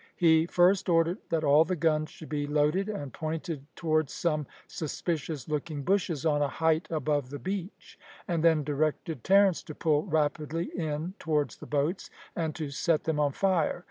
He first ordered that all the guns should be loaded and pointed towards some suspicious looking bushes on a height above the beach, and then directed Terence to pull rapidly in towards the boats, and to set them on fire.